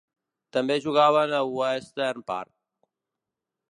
També jugaven a Western Park.